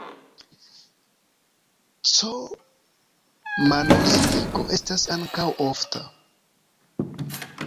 C-manoziligo estas ankaŭ ofta.